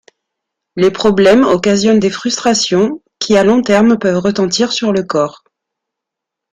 Les problèmes occasionnent des frustrations qui à long terme peuvent retentir sur le corps.